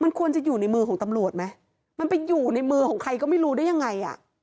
มันควรจะอยู่ในมือของตำรวจไหมมันไปอยู่ในมือของใครก็ไม่รู้ได้ยังไงอ่ะ